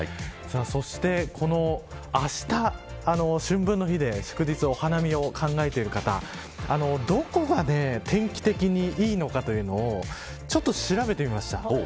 そして、あした春分の日で祝日お花見を考えている方どこが天気的にいいのかというのをちょっと調べてみました。